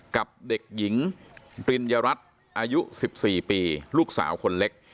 กับเด็กหญิงปริญญรัฐอายุ๑๔ปีลูกสาวคนเล็ก